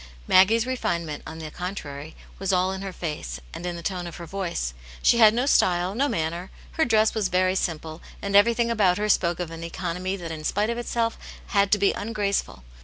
Maggie's refinement, on the con trary, was all in her face and in the tone of her voice ; she had no style, no manner, her dress was very simple, and everything about her spoke of an economy that in spite of itself had to be ungraceful.